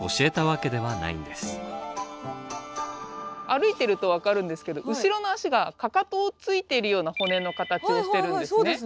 歩いてると分かるんですけど後ろの足がかかとをついてるような骨の形をしてるんですね。